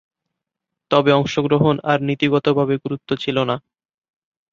তবে অংশগ্রহণ আর নীতিগতভাবে গুরুত্ব ছিল না।